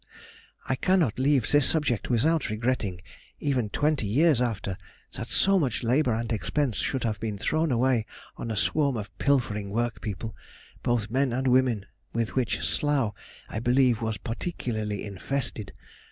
I cannot leave this subject without regretting, even twenty years after, that so much labour and expense should have been thrown away on a swarm of pilfering work people, both men and women, with which Slough, I believe, was particularly infested.